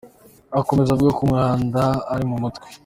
Akomeza avuga ko umwanda ari mu mutwe.